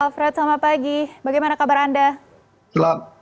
alfred selamat pagi bagaimana kabar anda